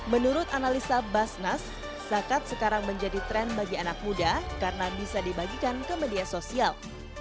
menurut analisa basnas zakat sekarang menjadi tren bagi anak muda karena bisa dibagikan ke media sosial